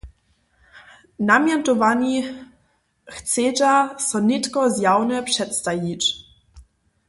Namjetowani chcedźa so nětko zjawnje předstajić.